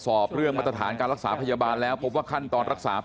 สอบเรื่องมาตรฐานการรักษาพยาบาลแล้วพบว่าขั้นตอนรักษา